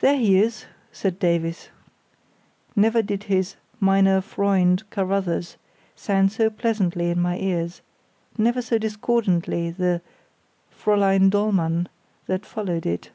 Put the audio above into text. "There he is," said Davies. Never did his "meiner Freund, Carruthers," sound so pleasantly in my ears; never so discordantly the "Fräulein Dollmann" that followed it.